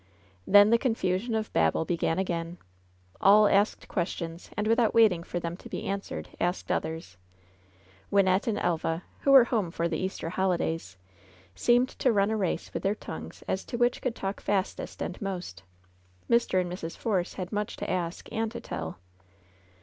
Then the confusion of Babel began again. AH asked questions, and without waiting for them to be answered, asked others. Wynnette and Elva, who were home for the Easter holidays, seemed to run a race with their tongues as to which could talk fastest and most. Mr. and Mrs. Force had much to ask and to tell.